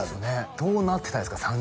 どうなってたいですか？